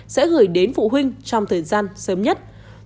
sẽ gửi đến phụ huynh trong thời gian sớm nhất